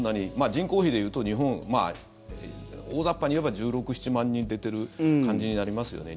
人口比で言うと大雑把に言えば１６１７万人出ている感じになりますよね。